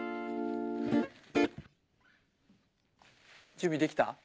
準備できた？